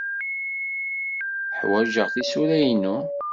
Ḥwajeɣ tisura-inu.